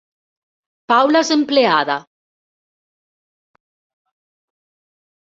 Paula és empleada